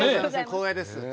光栄です。